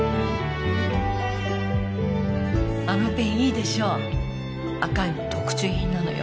あのペンいいでしょ赤いの特注品なのよ